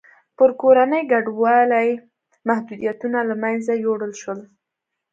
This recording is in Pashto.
پر کورنۍ کډوالۍ محدودیتونه له منځه یووړل شول.